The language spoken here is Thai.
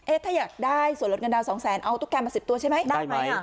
เอ๊ะถ้าอยากได้ส่วนลดเงินดาวน์สองแสนเอาตุ๊กแกมาสิบตัวใช่ไหมได้ไหมอ่ะ